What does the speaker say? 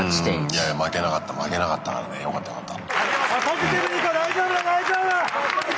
いやいや負けなかった負けなかったからねよかったよかった。